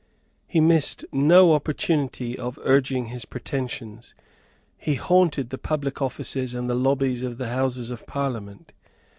He missed no opportunity of urging his pretensions. He haunted the public offices and the lobbies of the Houses of Parliament.